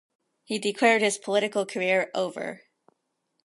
He declared his political career over.